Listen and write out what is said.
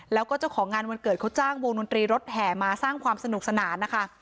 แล้วก็เจ้าของงานวันเกิดเขาจ้างวงดนตรีรถแห่มาสร้างความสนุกสนานนะคะ